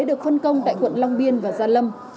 được phân công tại quận long biên và gia lâm